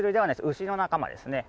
ウシの仲間ですね。